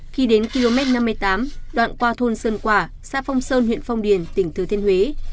khi đến km năm mươi tám đoạn qua thôn sơn quả xã phong sơn huyện phong điền tỉnh thừa thiên huế